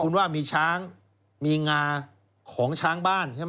คุณว่ามีช้างมีงาของช้างบ้านใช่ไหม